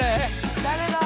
誰だ？